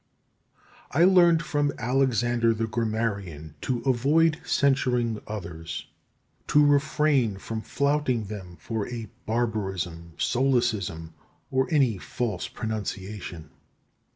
10. I learned from Alexander the Grammarian to avoid censuring others, to refrain from flouting them for a barbarism, solecism, or any false pronunciation.